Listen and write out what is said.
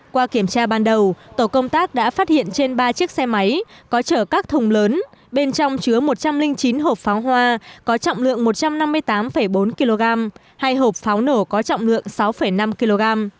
qua kiểm tra ban đầu tổ công tác đã phát hiện trên ba chiếc xe máy có chở các thùng lớn bên trong chứa một trăm linh chín hộp pháo hoa có trọng lượng một trăm năm mươi tám bốn kg hai hộp pháo nổ có trọng lượng sáu năm kg